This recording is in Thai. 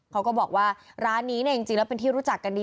เขาก็บอกว่าร้านนี้เนี่ยจริงแล้วเป็นที่รู้จักกันดี